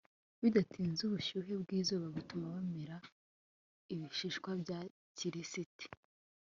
bidatinze, ubushyuhe bwizuba butuma bamena ibishishwa bya kirisiti